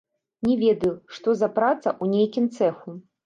Не ведаю, што за праца, у нейкім цэху.